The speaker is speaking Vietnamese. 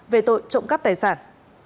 về tội trộm cắp tài sản